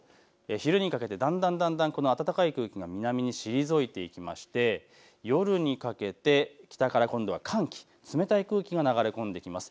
昼にかけてだんだん暖かい空気が南に退いていきまして夜にかけて北から今度は寒気、冷たい空気が流れ込んできます。